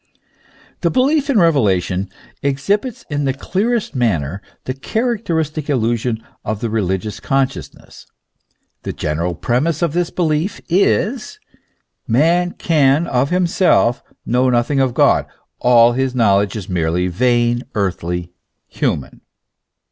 The belief in revelation exhibits in the clearest manner the characteristic illusion of the religious consciousness. The general premiss of this belief is : man can of himself know nothing of God ; all his knowledge is merely vain, earthly, human.